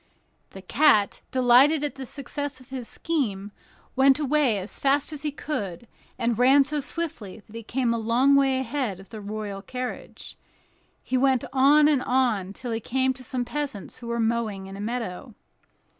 The cat, delighted at the success of his scheme, went away as fast as he could, and ran so swiftly that he kept a long way ahead of the royal carriage. He went on and on, till he came to some peasants who were mowing in a meadow.